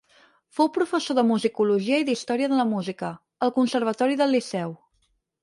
Fou professor de musicologia i d'història de la música, al Conservatori del Liceu.